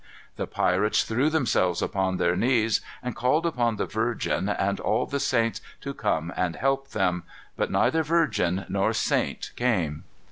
The pirates threw themselves upon their knees, and called upon the Virgin and all the saints to come and help them. But neither Virgin nor saint came.